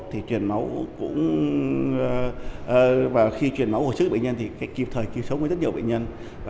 thì truyền máu cũng và khi truyền máu hồi sức bệnh nhân thì kịp thời kịp sống với rất nhiều bệnh nhân